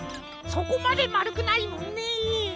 そこまでまるくないもんね。